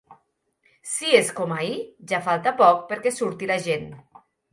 Si és com ahir, ja falta poc perquè surti la gent.